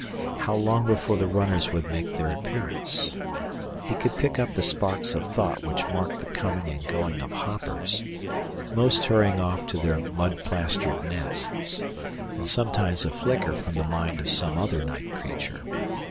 How long before the runners would make their appearance? He could pick up the sparks of thought which marked the coming and going of hoppers, most hurrying off to their mud plastered nests, and sometimes a flicker from the mind of some other night creature.